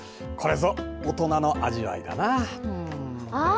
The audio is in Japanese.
これぞ大人の味わいだなあ。